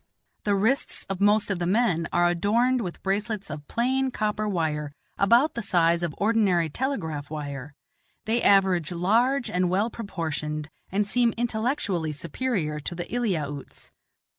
The wrists of most of the men are adorned with bracelets of plain copper wire about the size of ordinary telegraph wire; they average large and well proportioned, and seem intellectually superior to the Eliautes.